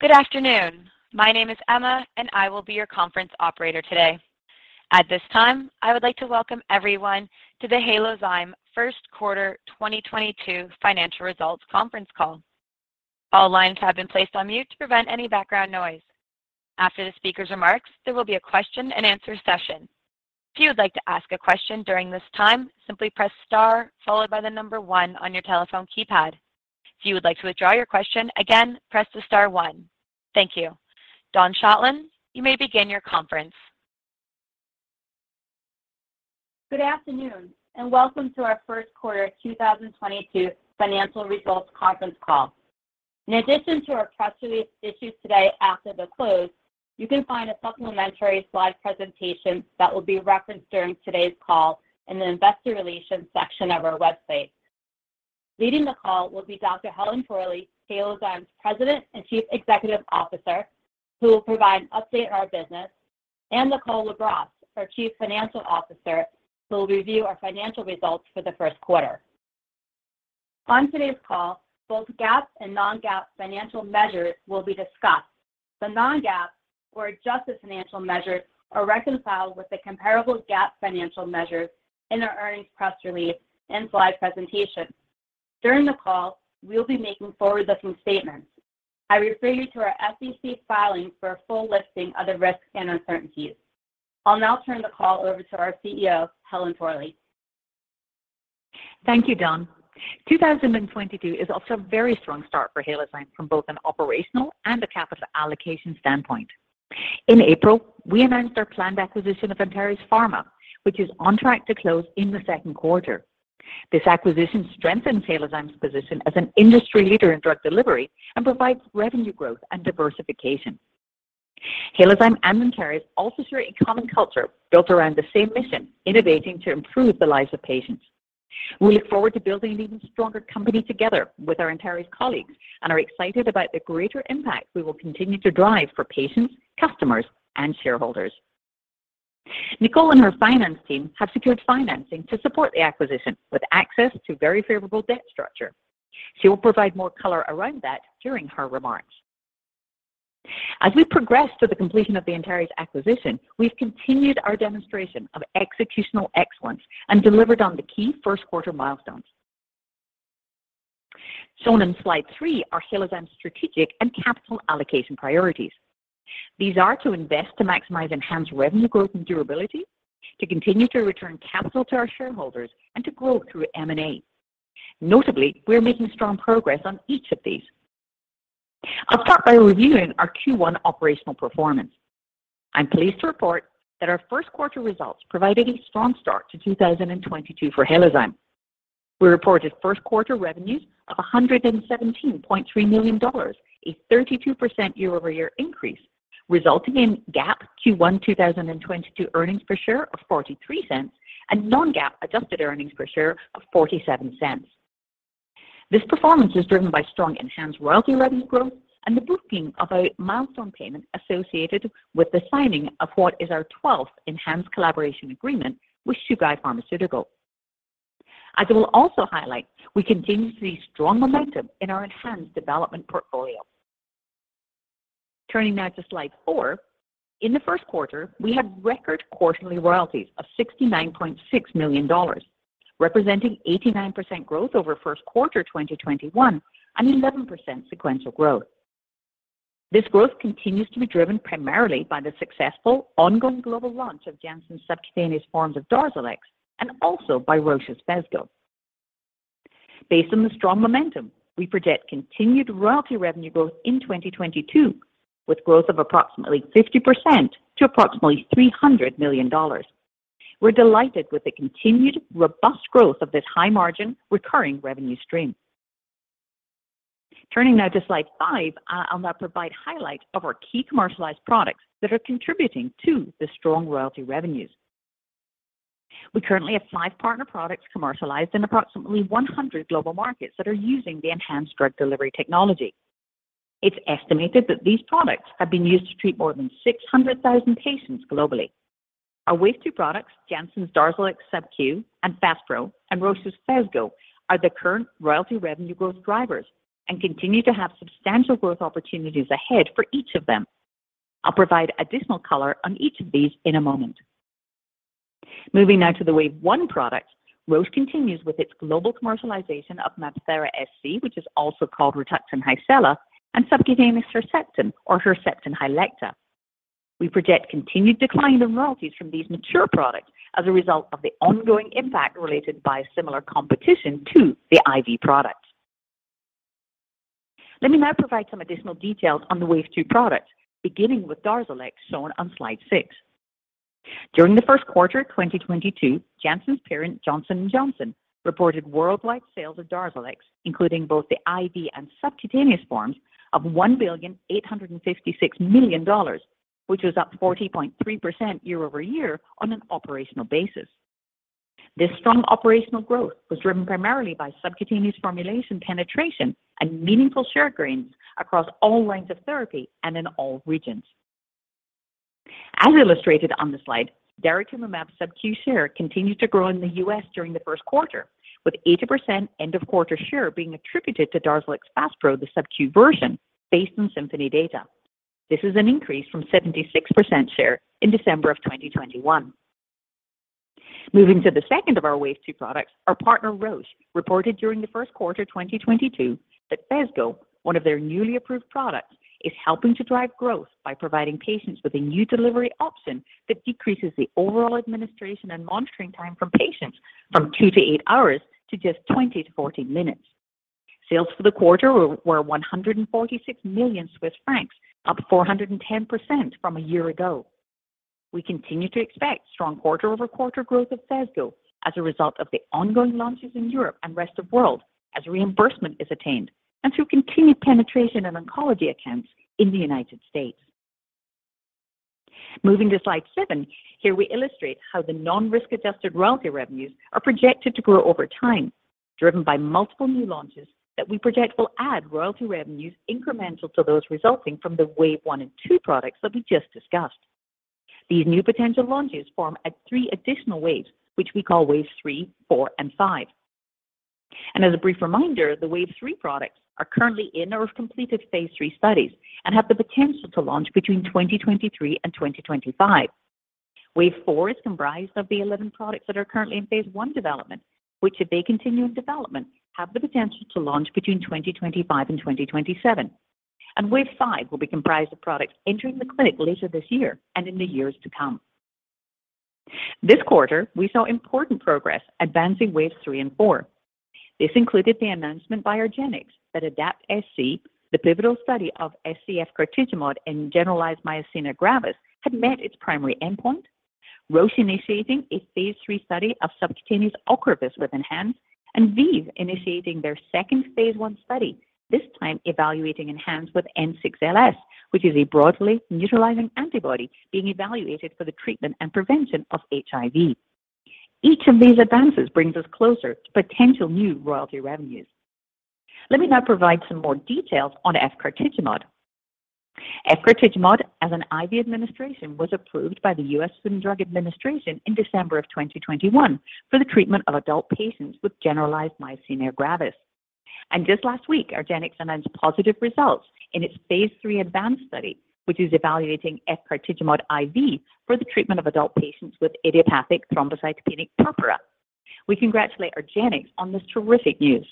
Good afternoon. My name is Emma, and I will be your conference operator today. At this time, I would like to welcome everyone to the Halozyme Q1 2022 Financial Results Conference Call. All lines have been placed on mute to prevent any background noise. After the speaker's remarks, there will be a question-and-answer session. If you would like to ask a question during this time, simply press star followed by the number one on your telephone keypad. If you would like to withdraw your question, again, press the star one. Thank you. Dawn Schottland, you may begin your conference. Good afternoon and welcome to our Q1 2022 financial results conference call. In addition to our press release issued today after the close, you can find a supplementary slide presentation that will be referenced during today's call in the investor relations section of our website. Leading the call will be Dr. Helen Torley, Halozyme's President and Chief Executive Officer, who will provide an update on our business, and Nicole LaBrosse, our Chief Financial Officer, who will review our financial results for the Q1. On today's call, both GAAP and non-GAAP financial measures will be discussed. The non-GAAP or adjusted financial measures are reconciled with the comparable GAAP financial measures in our earnings press release and slide presentation. During the call, we will be making forward-looking statements. I refer you to our SEC filings for a full listing of the risks and uncertainties. I'll now turn the call over to our CEO, Helen Torley. Thank you, Dawn. 2022 is off to a very strong start for Halozyme from both an operational and a capital allocation standpoint. In April, we announced our planned acquisition of Antares Pharma, which is on track to close in the Q2. This acquisition strengthens Halozyme's position as an industry leader in drug delivery and provides revenue growth and diversification. Halozyme and Antares also share a common culture built around the same mission, innovating to improve the lives of patients. We look forward to building an even stronger company together with our Antares colleagues and are excited about the greater impact we will continue to drive for patients, customers, and shareholders. Nicole and her finance team have secured financing to support the acquisition with access to very favorable debt structure. She will provide more color around that during her remarks. As we progress to the completion of the Antares acquisition, we've continued our demonstration of executional excellence and delivered on the key Q1 milestones. Shown on slide three are Halozyme's strategic and capital allocation priorities. These are to invest to maximize enhanced revenue growth and durability, to continue to return capital to our shareholders, and to grow through M&A. Notably, we're making strong progress on each of these. I'll start by reviewing our Q1 operational performance. I'm pleased to report that our Q1 results provided a strong start to 2022 for Halozyme. We reported Q1 revenues of $117.3 million, a 32% year-over-year increase, resulting in GAAP Q1 2022 earnings per share of $0.43 and non-GAAP adjusted earnings per share of $0.47. This performance was driven by strong ENHANZE royalty revenue growth and the booking of a milestone payment associated with the signing of what is our twelfth ENHANZE collaboration agreement with Chugai Pharmaceutical. As I will also highlight, we continue to see strong momentum in our ENHANZE development portfolio. Turning now to slide four, in the Q1, we had record quarterly royalties of $69.6 million, representing 89% growth over Q1 2021 and 11% sequential growth. This growth continues to be driven primarily by the successful ongoing global launch of Janssen's subcutaneous forms of DARZALEX and also by Roche's Phesgo. Based on the strong momentum, we project continued royalty revenue growth in 2022, with growth of approximately 50% to approximately $300 million. We're delighted with the continued robust growth of this high-margin recurring revenue stream. Turning now to slide five, I'll now provide highlights of our key commercialized products that are contributing to the strong royalty revenues. We currently have five partner products commercialized in approximately 100 global markets that are using the enhanced drug delivery technology. It's estimated that these products have been used to treat more than 600,000 patients globally. Our Wave Two products, Janssen's DARZALEX subQ and FASPRO, and Roche's Phesgo, are the current royalty revenue growth drivers and continue to have substantial growth opportunities ahead for each of them. I'll provide additional color on each of these in a moment. Moving now to the Wave One products, Roche continues with its global commercialization of MabThera SC, which is also called RITUXAN HYCELA, and subcutaneous Herceptin, or Herceptin HYLECTA. We project continued decline in royalties from these mature products as a result of the ongoing impact related to similar competition to the IV products. Let me now provide some additional details on the Wave Two products, beginning with DARZALEX, shown on slide six. During the Q1 of 2022, Janssen's parent, Johnson & Johnson, reported worldwide sales of DARZALEX, including both the IV and subcutaneous forms, of $1.856 billion, which was up 40.3% year-over-year on an operational basis. This strong operational growth was driven primarily by subcutaneous formulation penetration and meaningful share gains across all lines of therapy and in all regions. As illustrated on the slide, daratumumab subQ share continued to grow in the U.S. during the Q1, with 80% end of quarter share being attributed to DARZALEX FASPRO, the subQ version, based on Symphony data. This is an increase from 76% share in December of 2021. Moving to the second of our Wave Two products, our partner Roche reported during the Q1 2022 that Phesgo, one of their newly approved products, is helping to drive growth by providing patients with a new delivery option that decreases the overall administration and monitoring time for patients from two to eight hours to just 20-40 minutes. Sales for the quarter were 146 million Swiss francs, up 410% from a year ago. We continue to expect strong QoQ growth of Phesgo as a result of the ongoing launches in Europe and rest of world as reimbursement is attained and through continued penetration in oncology accounts in the United States. Moving to slide seven, here we illustrate how the non-risk adjusted royalty revenues are projected to grow over time, driven by multiple new launches that we project will add royalty revenues incremental to those resulting from the Wave One and Two products that we just discussed. These new potential launches form three additional waves, which we call Waves Three, Four, and Five. As a brief reminder, the Wave Three products are currently in or have completed phase III studies and have the potential to launch between 2023-2025. Wave Four is comprised of the 11 products that are currently in phase 1 development, which if they continue in development, have the potential to launch between 2025-2027. Wave Five will be comprised of products entering the clinic later this year and, in the years, to come. This quarter, we saw important progress advancing Waves Three and Four. This included the announcement by argenx that ADAPT-SC, the pivotal study of SC efgartigimod in generalized myasthenia gravis, had met its primary endpoint, Roche initiating a phase III study of subcutaneous OCREVUS with ENHANZE, and ViiV initiating their second phase I study, this time evaluating ENHANZE with N6LS, which is a broadly neutralizing antibody being evaluated for the treatment and prevention of HIV. Each of these advances brings us closer to potential new royalty revenues. Let me now provide some more details on efgartigimod. Efgartigimod as an IV administration was approved by the US Food and Drug Administration in December 2021 for the treatment of adult patients with generalized myasthenia gravis. Just last week, argenx announced positive results in its phase III ADVANCE study, which is evaluating efgartigimod IV for the treatment of adult patients with idiopathic thrombocytopenic purpura. We congratulate argenx on this terrific news.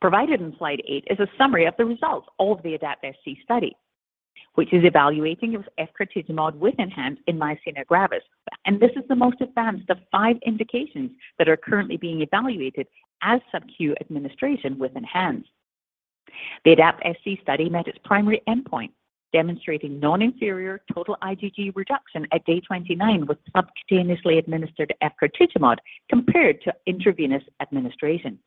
Provided in slide eight is a summary of the results of the ADAPT-SC study, which is evaluating efgartigimod with ENHANZE in myasthenia gravis, and this is the most advanced of five indications that are currently being evaluated as subQ administration with ENHANZE. The ADAPT-SC study met its primary endpoint, demonstrating non-inferior total IgG reduction at day 29 with subcutaneously administered efgartigimod compared to intravenous administration.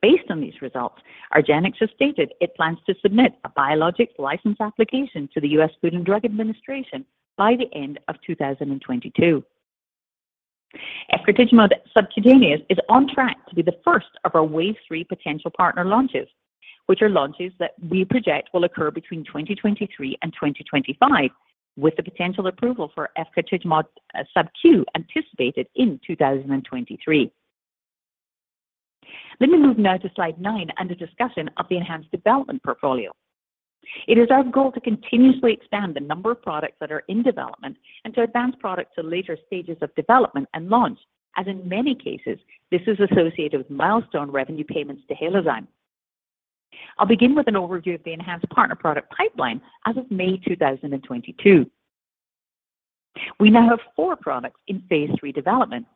Based on these results, argenx has stated it plans to submit a biologic license application to the US Food and Drug Administration by the end of 2022. Efgartigimod subcutaneous is on track to be the first of our Wave Three potential partner launches, which are launches that we project will occur between 2023 and 2025, with the potential approval for efgartigimod subQ anticipated in 2023. Let me move now to slide nine and a discussion of the ENHANZE development portfolio. It is our goal to continuously expand the number of products that are in development and to advance products to later stages of development and launch, as in many cases, this is associated with milestone revenue payments to Halozyme. I'll begin with an overview of the ENHANZE partner product pipeline as of May 2022. We now have four products in phase III development.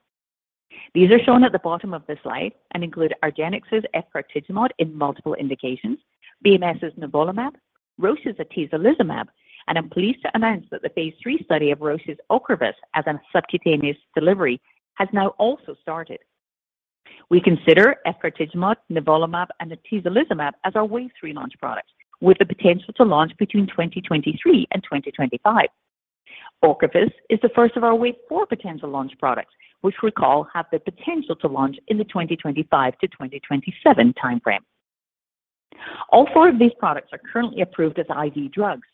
These are shown at the bottom of the slide and include argenx's efgartigimod in multiple indications, BMS's nivolumab, Roche's atezolizumab, and I'm pleased to announce that the phase III study of Roche's OCREVUS as a subcutaneous delivery has now also started. We consider efgartigimod, nivolumab, and atezolizumab as our Wave Three launch products, with the potential to launch between 2023 and 2025. OCREVUS is the first of our Wave Four potential launch products, which we call have the potential to launch in the 2025-2027 timeframe. All four of these products are currently approved as IV drugs.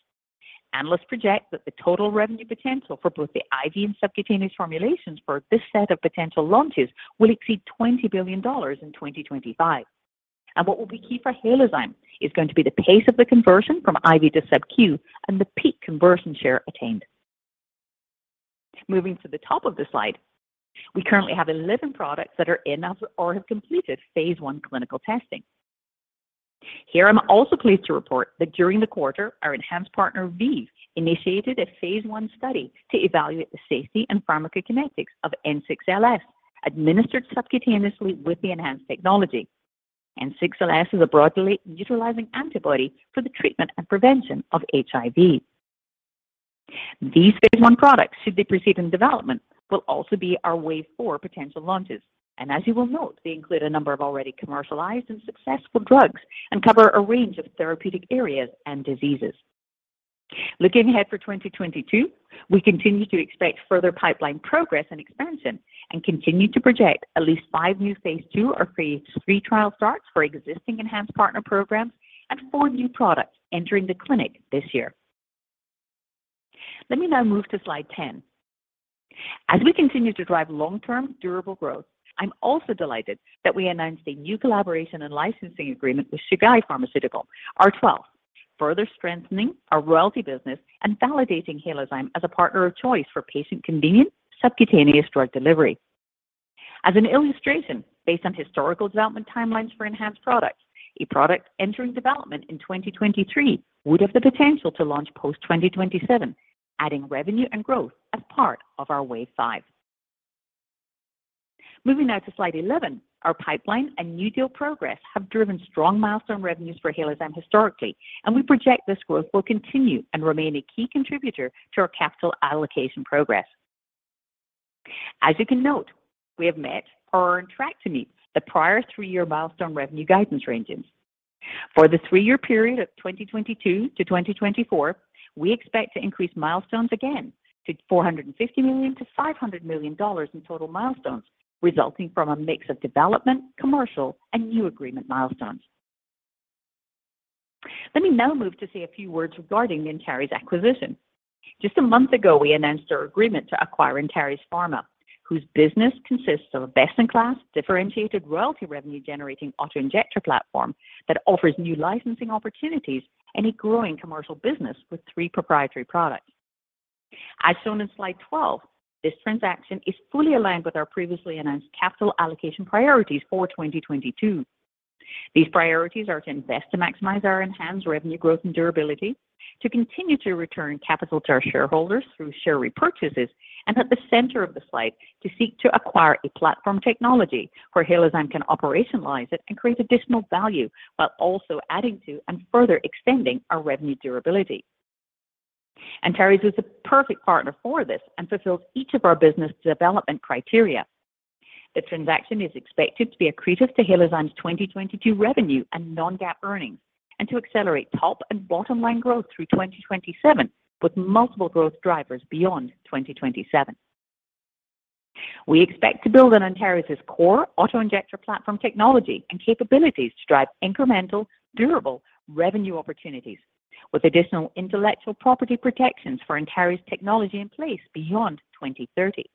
Analysts project that the total revenue potential for both the IV and subcutaneous formulations for this set of potential launches will exceed $20 billion in 2025. What will be key for Halozyme is going to be the pace of the conversion from IV to subQ and the peak conversion share attained. Moving to the top of the slide, we currently have 11 products that are in or have completed phase I clinical testing. Here I'm also pleased to report that during the quarter, our ENHANZE partner ViiV initiated a phase one study to evaluate the safety and pharmacokinetics of N6LS administered subcutaneously with the ENHANZE technology. N6LS is a broadly neutralizing antibody for the treatment and prevention of HIV. These Phase I products, should they proceed in development, will also be our Wave Four potential launches. As you will note, they include a number of already commercialized and successful drugs and cover a range of therapeutic areas and diseases. Looking ahead for 2022. We continue to expect further pipeline progress and expansion and continue to project at least five new Phase II or Phase III trial starts for existing ENHANZE partner programs and four new products entering the clinic this year. Let me now move to slide 10. As we continue to drive long-term durable growth, I'm also delighted that we announced a new collaboration and licensing agreement with Chugai Pharmaceutical, our 12th, further strengthening our royalty business and validating Halozyme as a partner of choice for patient convenient subcutaneous drug delivery. As an illustration, based on historical development timelines for enhanced products, a product entering development in 2023 would have the potential to launch post-2027, adding revenue and growth as part of our Wave Five. Moving now to slide 11. Our pipeline and new deal progress have driven strong milestone revenues for Halozyme historically, and we project this growth will continue and remain a key contributor to our capital allocation progress. As you can note, we have met or are on track to meet the prior three-year milestone revenue guidance ranges. For the three-year period of 2022 to 2024, we expect to increase milestones again to $450 million-$500 million in total milestones, resulting from a mix of development, commercial and new agreement milestones. Let me now move to say a few words regarding Antares acquisition. Just a month ago, we announced our agreement to acquire Antares Pharma, whose business consists of a best-in-class differentiated royalty revenue generating auto-injector platform that offers new licensing opportunities and a growing commercial business with three proprietary products. As shown in slide 12, this transaction is fully aligned with our previously announced capital allocation priorities for 2022. These priorities are to invest to maximize our ENHANZE revenue growth and durability, to continue to return capital to our shareholders through share repurchases, and at the center of the slide, to seek to acquire a platform technology where Halozyme can operationalize it and create additional value while also adding to and further extending our revenue durability. Antares was the perfect partner for this and fulfills each of our business development criteria. The transaction is expected to be accretive to Halozyme's 2022 revenue and non-GAAP earnings, and to accelerate top and bottom line growth through 2027, with multiple growth drivers beyond 2027. We expect to build on Antares' core auto-injector platform technology and capabilities to drive incremental, durable revenue opportunities with additional intellectual property protections for Antares technology in place beyond 2030.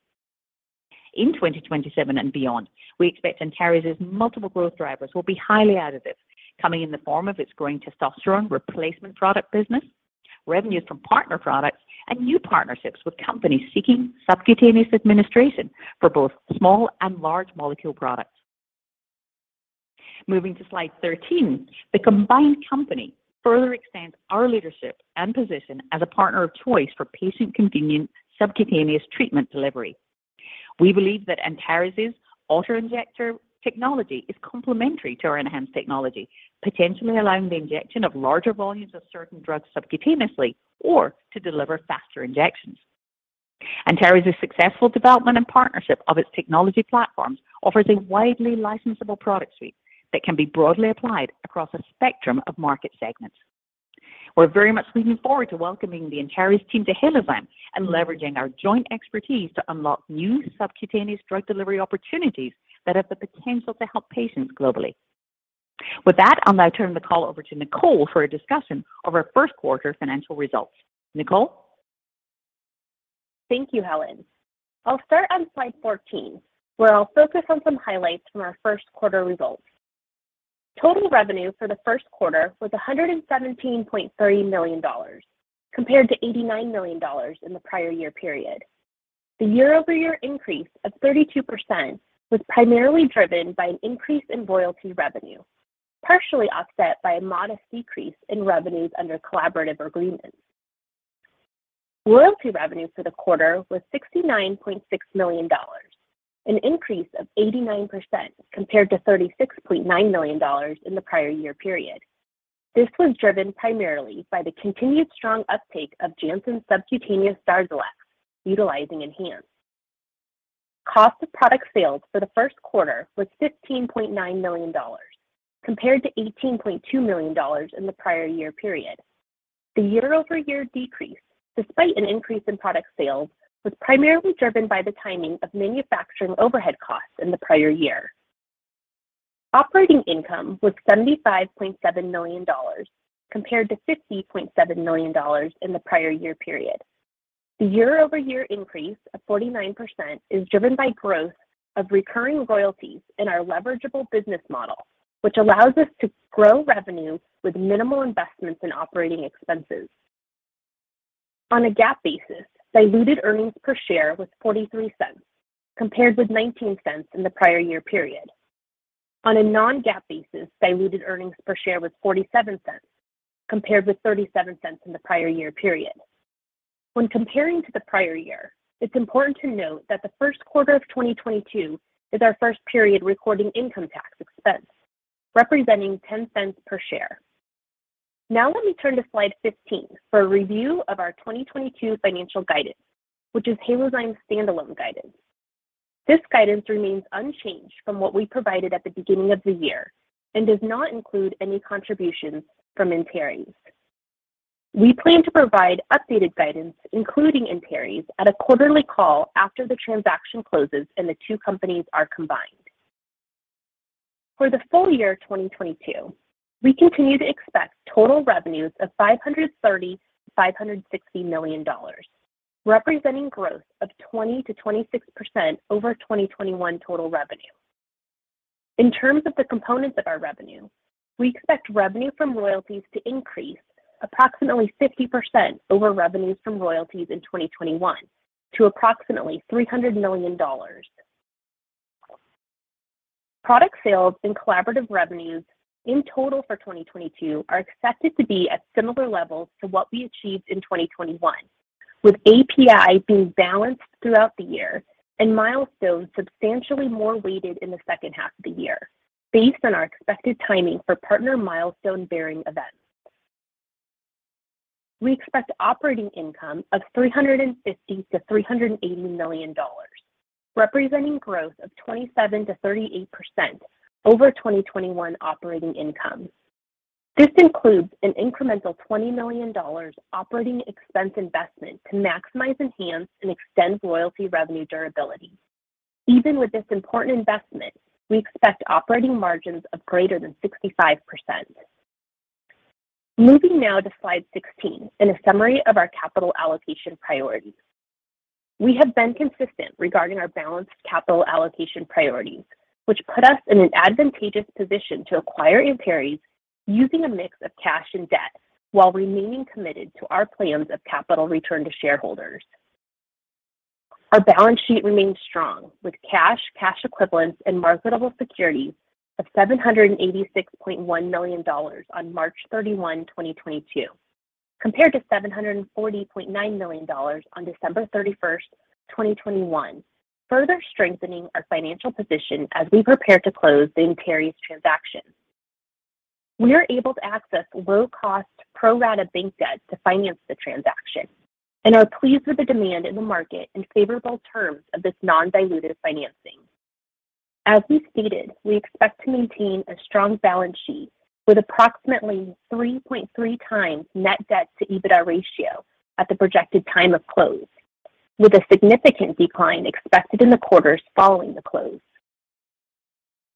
In 2027 and beyond, we expect Antares' multiple growth drivers will be highly additive, coming in the form of its growing testosterone replacement product business, revenues from partner products, and new partnerships with companies seeking subcutaneous administration for both small and large molecule products. Moving to slide 13. The combined company further expands our leadership and position as a partner of choice for patient-convenient subcutaneous treatment delivery. We believe that Antares' auto-injector technology is complementary to our ENHANZE technology, potentially allowing the injection of larger volumes of certain drugs subcutaneously or to deliver faster injections. Antares' successful development and partnership of its technology platforms offers a widely licensable product suite that can be broadly applied across a spectrum of market segments. We're very much looking forward to welcoming the Antares team to Halozyme and leveraging our joint expertise to unlock new subcutaneous drug delivery opportunities that have the potential to help patients globally. With that, I'll now turn the call over to Nicole for a discussion of our Q1 financial results. Nicole? Thank you, Helen. I'll start on slide 14, where I'll focus on some highlights from our Q1 results. Total revenue for the Q1 was $117.30 million, compared to $89 million in the prior year period. The year-over-year increase of 32% was primarily driven by an increase in royalty revenue, partially offset by a modest decrease in revenues under collaborative agreements. Royalty revenue for the quarter was $69.6 million, an increase of 89% compared to $36.9 million in the prior year period. This was driven primarily by the continued strong uptake of Janssen's subcutaneous DARZALEX, utilizing ENHANZE. Cost of product sales for the Q1 was $15.9 million, compared to $18.2 million in the prior year period. The year-over-year decrease, despite an increase in product sales, was primarily driven by the timing of manufacturing overhead costs in the prior year. Operating income was $75.7 million, compared to $50.7 million in the prior year period. The year-over-year increase of 49% is driven by growth of recurring royalties in our leverageable business model, which allows us to grow revenue with minimal investments in operating expenses. On a GAAP basis, diluted earnings per share was $0.43, compared with $0.19 in the prior year period. On a non-GAAP basis, diluted earnings per share was $0.47, compared with $0.37 in the prior year period. When comparing to the prior year, it's important to note that the Q1 of 2022 is our first period recording income tax expense, representing $0.10 per share. Now let me turn to slide 15 for a review of our 2022 financial guidance, which is Halozyme's standalone guidance. This guidance remains unchanged from what we provided at the beginning of the year and does not include any contributions from Antares. We plan to provide updated guidance, including Antares, at a quarterly call after the transaction closes and the two companies are combined. For the full year 2022, we continue to expect total revenues of $530 million-$560 million, representing growth of 20%-26% over 2021 total revenue. In terms of the components of our revenue, we expect revenue from royalties to increase approximately 50% over revenues from royalties in 2021 to approximately $300 million. Product sales and collaborative revenues in total for 2022 are expected to be at similar levels to what we achieved in 2021, with API being balanced throughout the year and milestones substantially more weighted in the second half of the year based on our expected timing for partner milestone-bearing events. We expect operating income of $350 million-$380 million, representing growth of 27%-38% over 2021 operating income. This includes an incremental $20 million operating expense investment to maximize ENHANZE and extend royalty revenue durability. Even with this important investment, we expect operating margins of greater than 65%. Moving now to slide 16 and a summary of our capital allocation priorities. We have been consistent regarding our balanced capital allocation priorities, which put us in an advantageous position to acquire Antares using a mix of cash and debt while remaining committed to our plans of capital return to shareholders. Our balance sheet remains strong with cash equivalents, and marketable securities of $786.1 million on March 31, 2022, compared to $740.9 million on December 31, 2021, further strengthening our financial position as we prepare to close the Antares transaction. We are able to access low-cost pro rata bank debt to finance the transaction and are pleased with the demand in the market and favorable terms of this non-dilutive financing. As we stated, we expect to maintain a strong balance sheet with approximately 3.3x net debt to EBITDA ratio at the projected time of close, with a significant decline expected in the quarters following the close.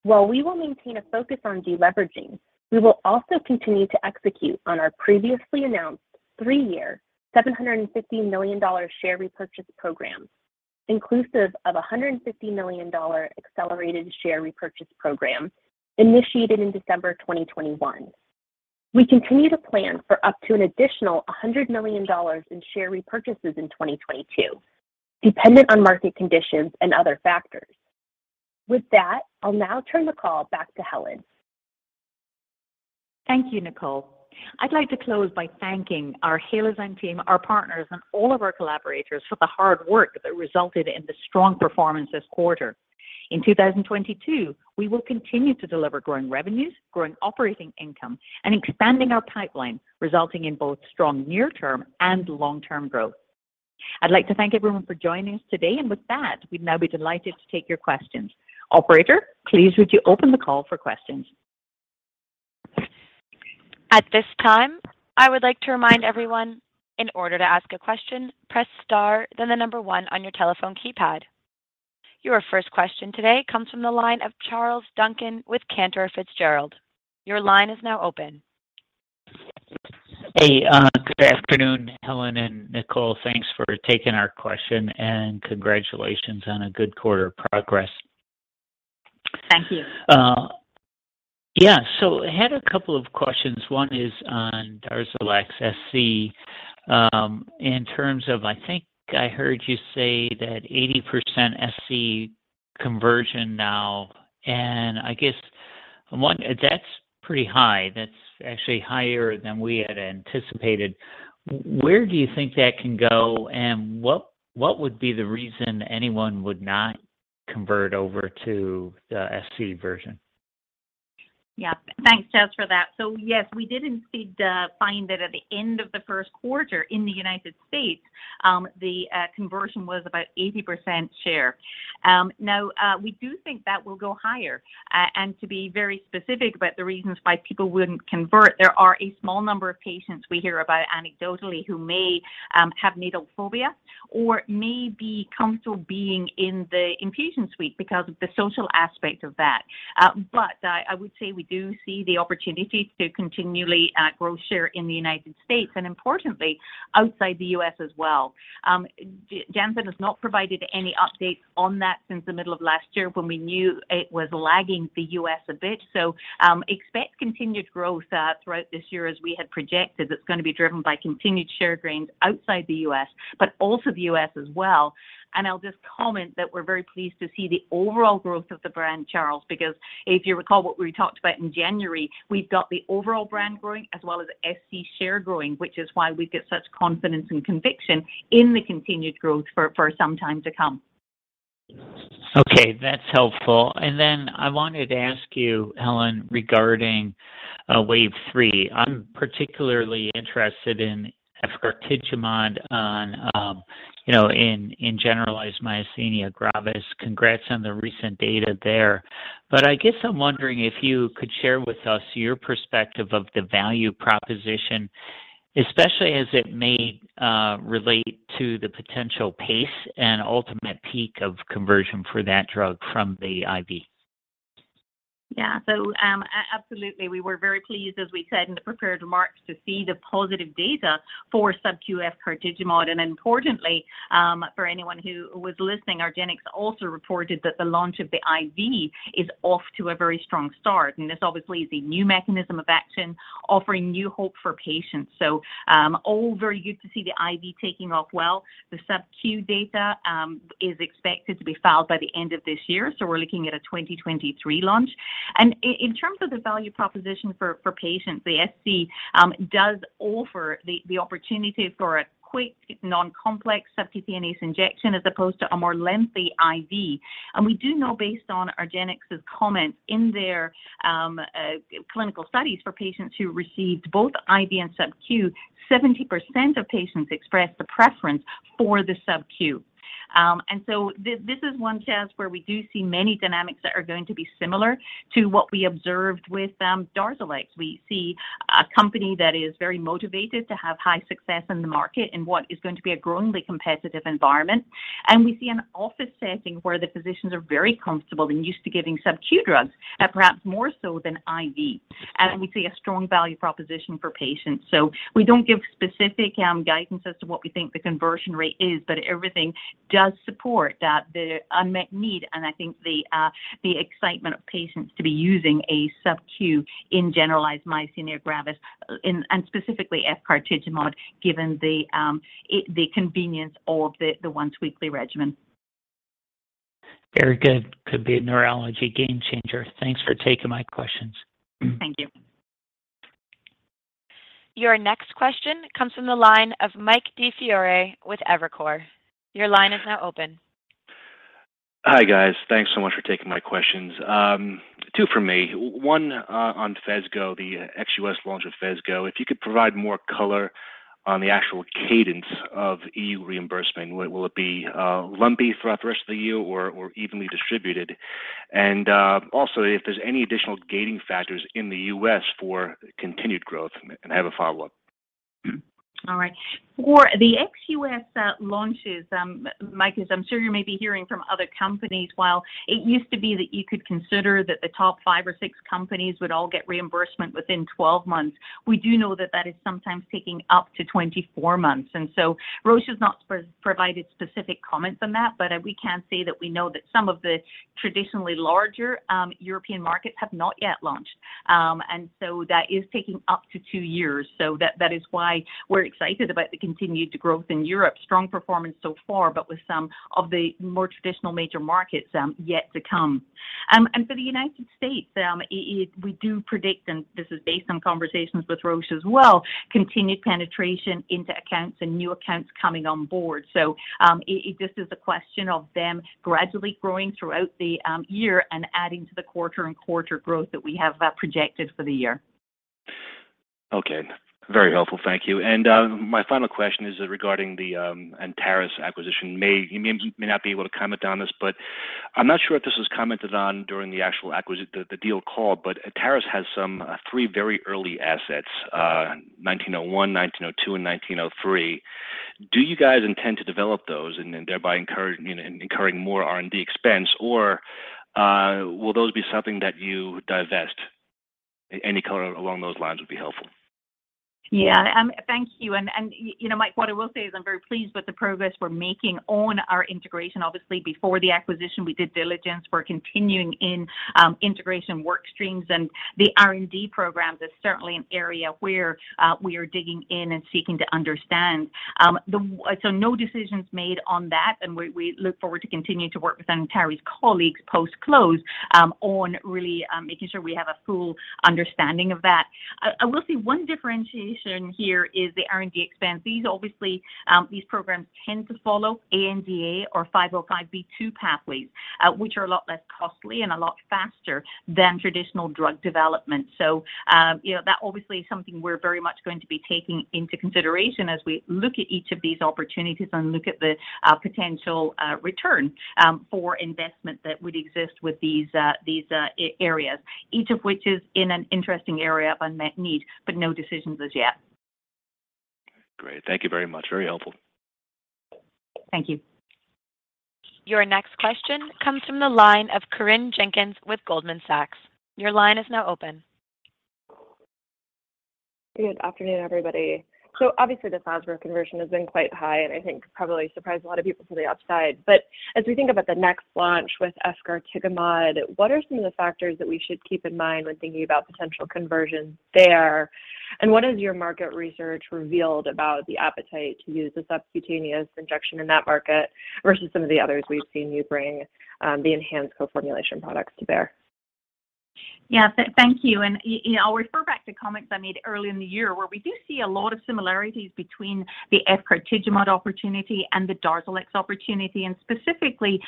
While we will maintain a focus on deleveraging, we will also continue to execute on our previously announced three-year $750 million share repurchase program, inclusive of a $150 million accelerated share repurchase program initiated in December 2021. We continue to plan for up to an additional $100 million in share repurchases in 2022, dependent on market conditions and other factors. With that, I'll now turn the call back to Helen. Thank you, Nicole. I'd like to close by thanking our Halozyme team, our partners, and all of our collaborators for the hard work that resulted in the strong performance this quarter. In 2022, we will continue to deliver growing revenues, growing operating income, and expanding our pipeline, resulting in both strong near-term and long-term growth. I'd like to thank everyone for joining us today, and with that, we'd now be delighted to take your questions. Operator, please would you open the call for questions? At this time, I would like to remind everyone in order to ask a question, press star, then the number one on your telephone keypad. Your first question today comes from the line of Charles Duncan with Cantor Fitzgerald. Your line is now open. Hey, good afternoon, Helen and Nicole. Thanks for taking our question, and congratulations on a good quarter of progress. Thank you. I had a couple of questions. One is on DARZALEX SC, in terms of, I think I heard you say that 80% SC conversion now, and I guess that's pretty high. That's actually higher than we had anticipated. Where do you think that can go, and what would be the reason anyone would not convert over to the SC version? Yeah. Thanks, Charles, for that. Yes, we did indeed find that at the end of the Q1 in the United States, the conversion was about 80% share. Now, we do think that will go higher. To be very specific about the reasons why people wouldn't convert, there are a small number of patients we hear about anecdotally who may have needle phobia or may be comfortable being in the infusion suite because of the social aspect of that. I would say we do see the opportunity to continually grow share in the United States and importantly, outside the US as well. Janssen has not provided any updates on that since the middle of last year when we knew it was lagging the US a bit. Expect continued growth throughout this year as we had projected. It's gonna be driven by continued share gains outside the U.S., but also the U.S. as well. I'll just comment that we're very pleased to see the overall growth of the brand, Charles, because if you recall what we talked about in January, we've got the overall brand growing as well as SC share growing, which is why we've got such confidence and conviction in the continued growth for some time to come. Okay, that's helpful. I wanted to ask you, Helen, regarding Wave Three. I'm particularly interested in efgartigimod on You know, in generalized myasthenia gravis. Congrats on the recent data there. I guess I'm wondering if you could share with us your perspective of the value proposition, especially as it may relate to the potential pace and ultimate peak of conversion for that drug from the IV. Yeah. Absolutely, we were very pleased, as we said in the prepared remarks, to see the positive data for subQ efgartigimod. Importantly, for anyone who was listening, argenx also reported that the launch of the IV is off to a very strong start. This obviously is a new mechanism of action offering new hope for patients. All very good to see the IV taking off well. The subQ data is expected to be filed by the end of this year, so we're looking at a 2023 launch. In terms of the value proposition for patients, the SC does offer the opportunity for a quick non-complex subcutaneous injection as opposed to a more lengthy IV. We do know based on argenx's comment in their clinical studies for patients who received both IV and subQ, 70% of patients expressed the preference for the subQ. This is one chance where we do see many dynamics that are going to be similar to what we observed with DARZALEX. We see a company that is very motivated to have high success in the market in what is going to be a growingly competitive environment. We see an office setting where the physicians are very comfortable and used to giving subQ drugs, perhaps more so than IV. We see a strong value proposition for patients. We don't give specific guidance as to what we think the conversion rate is, but everything does support that the unmet need and I think the excitement of patients to be using a subQ in generalized myasthenia gravis and specifically efgartigimod, given the convenience of the once-weekly regimen. Very good. Could be a neurology game changer. Thanks for taking my questions. Thank you. Your next question comes from the line of Mike DiFiore with Evercore ISI. Your line is now open. Hi, guys. Thanks so much for taking my questions. Two for me. One, on Phesgo, the ex-US launch of Phesgo. If you could provide more color on the actual cadence of EU reimbursement. Will it be lumpy throughout the rest of the year or evenly distributed? Also, if there's any additional gating factors in the US for continued growth, and I have a follow-up. All right. For the ex-US launches, Mike, as I'm sure you may be hearing from other companies, while it used to be that you could consider that the top five or six companies would all get reimbursement within 12 months, we do know that that is sometimes taking up to 24 months. Roche has not provided specific comment on that, but we can say that we know that some of the traditionally larger European markets have not yet launched. That is taking up to two years. That is why we're excited about the continued growth in Europe. Strong performance so far, but with some of the more traditional major markets yet to come. For the United States, we do predict, and this is based on conversations with Roche as well, continued penetration into accounts and new accounts coming on board. It just is a question of them gradually growing throughout the year and adding to the quarter-to-quarter growth that we have projected for the year. Okay. Very helpful. Thank you. My final question is regarding the Antares acquisition. You may not be able to comment on this, but I'm not sure if this was commented on during the actual deal call, but Antares has some three very early assets, 1901, 1902, and 1903. Do you guys intend to develop those and then thereby you know, and incurring more R&D expense, or will those be something that you divest? Any color along those lines would be helpful. Yeah. Thank you. You know, Mike, what I will say is I'm very pleased with the progress we're making on our integration. Obviously, before the acquisition, we did diligence. We're continuing in integration work streams, and the R&D programs is certainly an area where we are digging in and seeking to understand. No decisions made on that, and we look forward to continuing to work with Antares colleagues post-close on really making sure we have a full understanding of that. I will say one differentiation here is the R&D expense. These obviously these programs tend to follow ANDA or 505(b)(2) pathways, which are a lot less costly and a lot faster than traditional drug development. You know, that obviously is something we're very much going to be taking into consideration as we look at each of these opportunities and look at the potential return for investment that would exist with these areas. Each of which is in an interesting area of unmet need, but no decisions as yet. Great. Thank you very much. Very helpful. Thank you. Your next question comes from the line of Corinne Jenkins with Goldman Sachs. Your line is now open. Good afternoon, everybody. Obviously the FASPRO conversion has been quite high and I think probably surprised a lot of people to the upside. As we think about the next launch with efgartigimod, what are some of the factors that we should keep in mind when thinking about potential conversion there? What has your market research revealed about the appetite to use a subcutaneous injection in that market versus some of the others we've seen you bring the ENHANZE co-formulation products to bear? Yeah. Thank you. You know, I'll refer back to comments I made early in the year where we do see a lot of similarities between the efgartigimod opportunity and the DARZALEX opportunity. Specifically,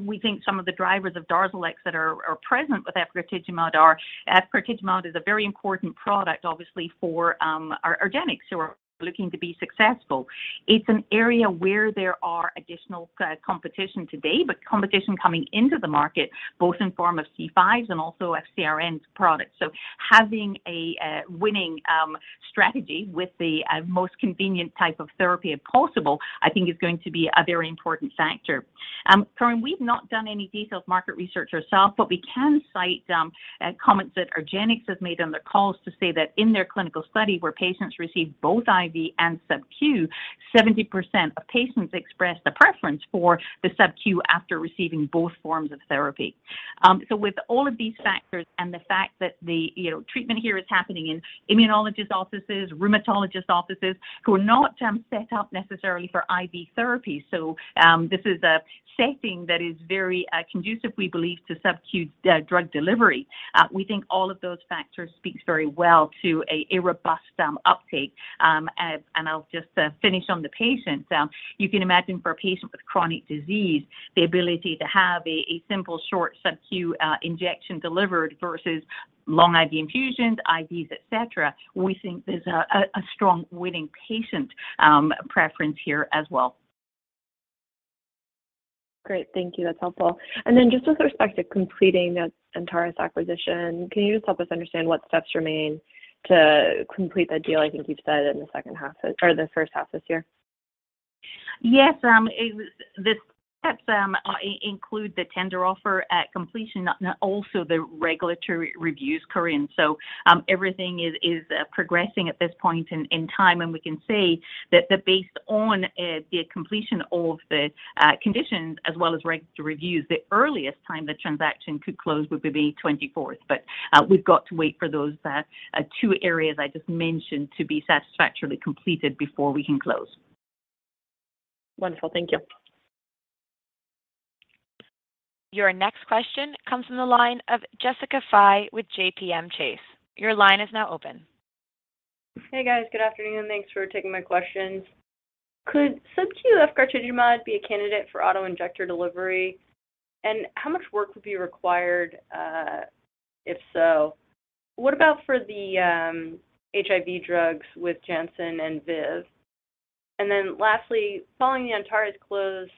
we think some of the drivers of DARZALEX that are present with efgartigimod are efgartigimod is a very important product, obviously, for our argenx, who are looking to be successful. It's an area where there are additional competition today, but competition coming into the market both in form of C5s and also FcRn's products. Having a winning strategy with the most convenient type of therapy possible, I think is going to be a very important factor. Corinne, we've not done any detailed market research ourselves, but we can cite comments that argenx has made on their calls to say that in their clinical study where patients received both IV and sub-Q, 70% of patients expressed a preference for the sub-Q after receiving both forms of therapy. With all of these factors and the fact that, you know, treatment here is happening in immunologist offices, rheumatologist offices, who are not set up necessarily for IV therapy, this is a setting that is very conducive, we believe, to sub-Q drug delivery. We think all of those factors speak very well to a robust uptake. I'll just finish on the patient. You can imagine for a patient with chronic disease, the ability to have a simple short subQ injection delivered versus long IV infusions, IVs, et cetera, we think there's a strong winning patient preference here as well. Great. Thank you. That's helpful. Just with respect to completing the Antares acquisition, can you just help us understand what steps remain to complete that deal? I think you've said in the second half or the first half this year. Yes. The steps include the tender offer at completion, not also the regulatory reviews, Corinne. Everything is progressing at this point in time, and we can say that, based on the completion of the conditions as well as regulatory reviews, the earliest time the transaction could close would be the 24th. We've got to wait for those two areas I just mentioned to be satisfactorily completed before we can close. Wonderful. Thank you. Your next question comes from the line of Jessica Fye with J.P. Morgan. Your line is now open. Hey, guys. Good afternoon. Thanks for taking my questions. Could subQ efgartigimod be a candidate for auto-injector delivery, and how much work would be required if so? What about for the HIV drugs with Janssen and ViiV? And then lastly, following the Antares close,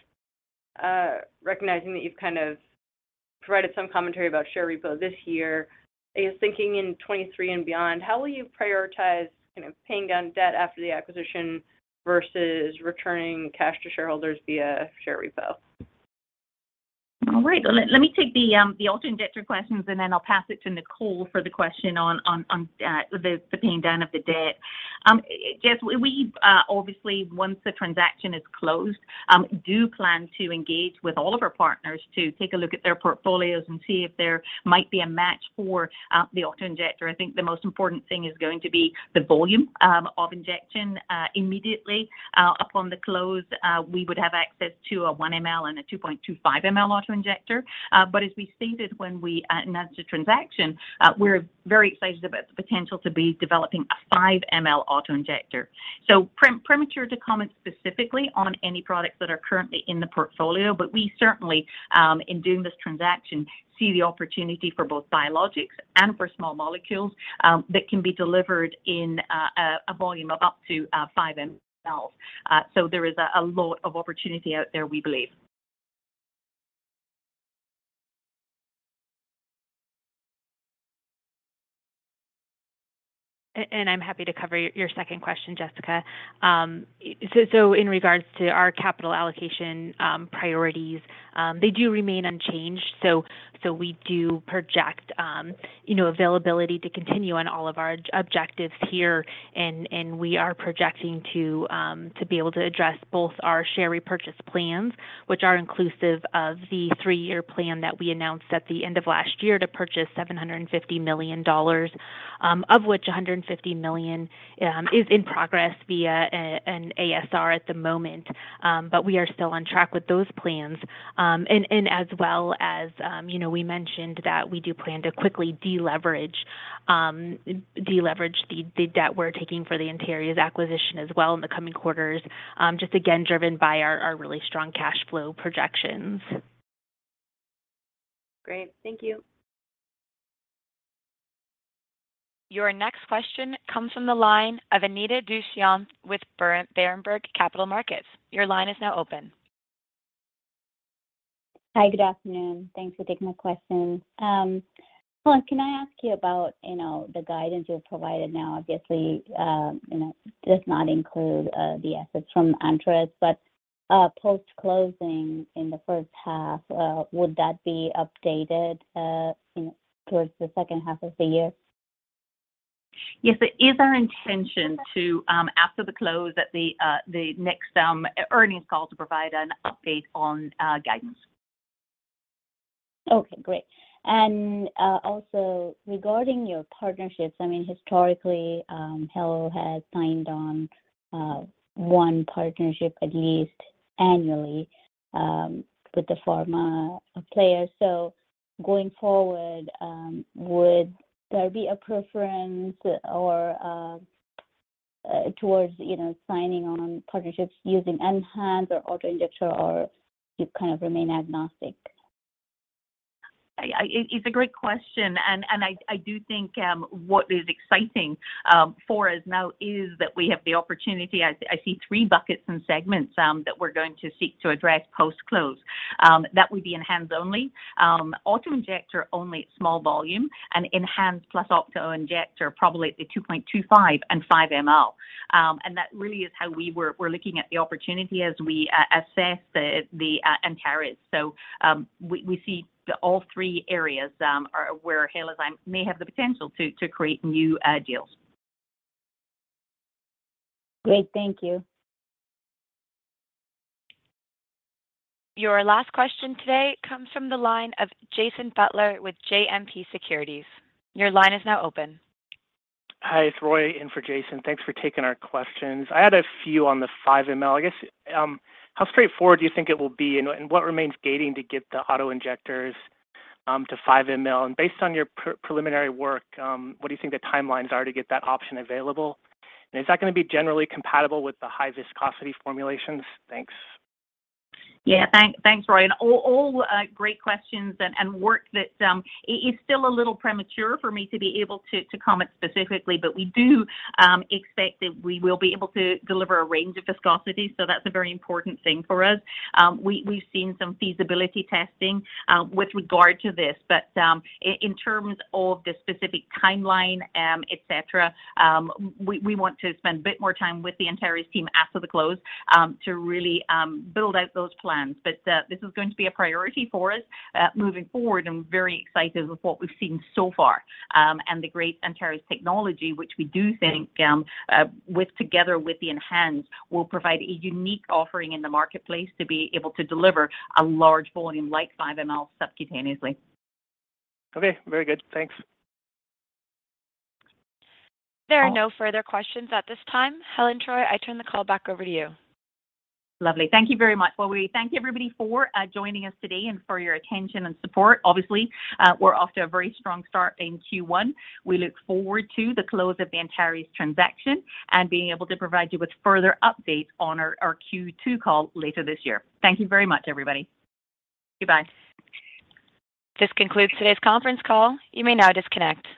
recognizing that you've kind of provided some commentary about share repo this year, I was thinking in 2023 and beyond, how will you prioritize, you know, paying down debt after the acquisition versus returning cash to shareholders via share repo? All right. Well, let me take the auto-injector questions, and then I'll pass it to Nicole for the question on the paying down of the debt. Jess, we obviously, once the transaction is closed, do plan to engage with all of our partners to take a look at their portfolios and see if there might be a match for the auto-injector. I think the most important thing is going to be the volume of injection immediately. Upon the close, we would have access to a 1 ml and a 2.25 ml auto-injector. As we stated when we announced the transaction, we're very excited about the potential to be developing a 5 ml auto-injector. Premature to comment specifically on any products that are currently in the portfolio, but we certainly, in doing this transaction, see the opportunity for both biologics and for small molecules, that can be delivered in a volume of up to 5 mL. There is a lot of opportunity out there, we believe. I'm happy to cover your second question, Jessica. In regards to our capital allocation priorities, they do remain unchanged. We do project you know availability to continue on all of our objectives here, and we are projecting to be able to address both our share repurchase plans, which are inclusive of the three-year plan that we announced at the end of last year to purchase $750 million, of which $150 million is in progress via an ASR at the moment. We are still on track with those plans. You know, we mentioned that we do plan to quickly deleverage the debt we're taking for the Antares acquisition as well in the coming quarters, just again driven by our really strong cash flow projections. Great. Thank you. Your next question comes from the line of Anita Dushyanth with Berenberg Capital Markets. Your line is now open. Hi. Good afternoon. Thanks for taking my question. Helen, can I ask you about, you know, the guidance you have provided now, obviously, you know, does not include the assets from Antares. Post-closing in the first half, would that be updated, you know, towards the second half of the year? Yes, it is our intention to, after the close of the next earnings call, provide an update on guidance. Okay, great. Also regarding your partnerships, I mean, historically, Halozyme has signed on one partnership at least. Annually, with the pharma players. Going forward, would there be a preference or towards, you know, signing on partnerships using ENHANZE or auto-injector or you kind of remain agnostic? It's a great question, and I do think what is exciting for us now is that we have the opportunity. I see three buckets and segments that we're going to seek to address post-close. That would be ENHANZE only, auto-injector only at small volume, and ENHANZE plus auto-injector, probably at the 2.25 and 5 ml. That really is how we're looking at the opportunity as we assess the Antares. We see all three areas where Halozyme may have the potential to create new deals. Great. Thank you. Your last question today comes from the line of Jason Butler with JMP Securities. Your line is now open. Hi, it's Roy in for Jason. Thanks for taking our questions. I had a few on the 5 mL. I guess, how straightforward do you think it will be and what remains gating to get the auto-injectors to 5 mL? And based on your preliminary work, what do you think the timelines are to get that option available? And is that gonna be generally compatible with the high viscosity formulations? Thanks. Yeah. Thanks, Roy. All great questions and work that is still a little premature for me to be able to comment specifically, but we do expect that we will be able to deliver a range of viscosities, so that's a very important thing for us. We've seen some feasibility testing with regard to this. In terms of the specific timeline, et cetera, we want to spend a bit more time with the Antares team after the close to really build out those plans. This is going to be a priority for us moving forward, and we're very excited with what we've seen so far. The great Antares technology, which we do think, together with the ENHANZE will provide a unique offering in the marketplace to be able to deliver a large volume like 5 mL subcutaneously. Okay. Very good. Thanks. There are no further questions at this time. Helen Torley, I turn the call back over to you. Lovely. Thank you very much. Well, we thank everybody for joining us today and for your attention and support. Obviously, we're off to a very strong start in Q1. We look forward to the close of the Antares transaction and being able to provide you with further updates on our Q2 call later this year. Thank you very much, everybody. Goodbye. This concludes today's conference call. You may now disconnect.